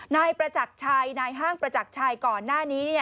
นายประจักรชัยนายห้างประจักรชัยก่อนหน้านี้